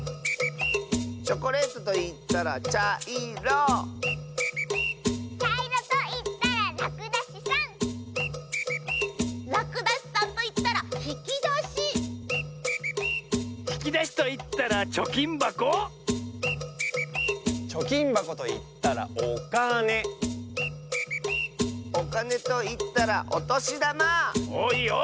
チョコレートといったらちゃいろちゃいろといったららくだしさんらくだしさんといったらひきだしひきだしといったらちょきんばこちょきんばこといったらおかねおかねといったらおとしだまおっいいよ。